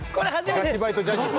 ガチバイトジャニーズ。